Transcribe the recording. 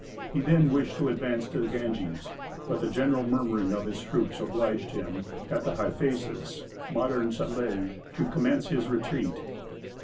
He then wished to advance to the Ganges, but the general murmuring of his troops obliged him, at the Hyphasis (modern Sutlej), to commence his retreat.